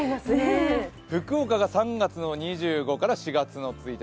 福岡が３月の２５から４月の１日。